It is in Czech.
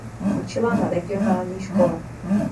Učila na regionální škole.